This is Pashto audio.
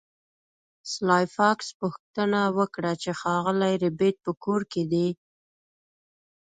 سلای فاکس پوښتنه وکړه چې ښاغلی ربیټ په کور کې دی